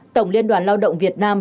tổng liên đoàn lao động việt nam